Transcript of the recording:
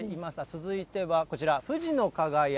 続いてはこちら、富士の輝。